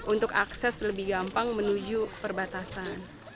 untuk akses lebih gampang menuju perbatasan